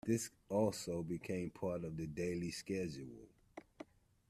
This also became part of the daily schedule.